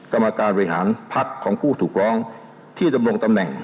กรรมการบริหารพักของผู้ถูกร้องที่ดำรงตำแหน่ง